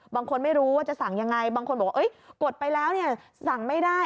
บางคนไม่รู้ว่าจะสั่งยังไงบางคนบอกว่ากดไปแล้วเนี่ยสั่งไม่ได้